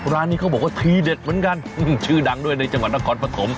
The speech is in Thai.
ร้านนี้เขาบอกว่าทีเด็ดเหมือนกันชื่อดังด้วยในจังหวัดนครปฐม